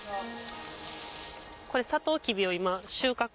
これサトウキビを今収穫？